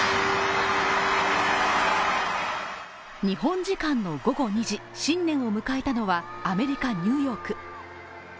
日本時間の午後２時、新年を迎えたのはアメリカ・ニューヨーク。